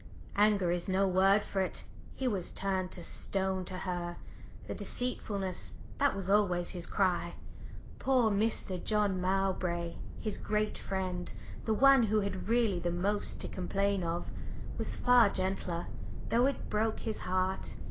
"Anger is no word for it. He was turned to stone to her. The deceitfulness that was always his cry. Poor Mr. John Mowbray his great friend, the one who had really the most to complain of, was far gentler, though it broke his heart.